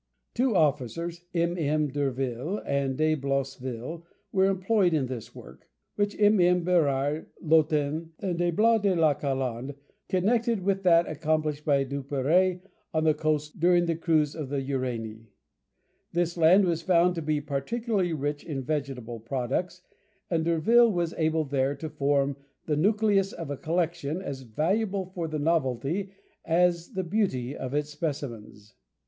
Two officers, MM. d'Urville and de Blossville, were employed in this work, which MM. Berard, Lottin, and de Blois de la Calande connected with that accomplished by Duperrey on the coast during the cruise of the Uranie. This land was found to be particularly rich in vegetable products, and D'Urville was able there to form the nucleus of a collection as valuable for the novelty as the beauty of its specimens.